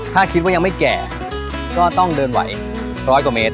ถ้าคิดว่ายังไม่แก่ก็ต้องเดินไหวร้อยกว่าเมตร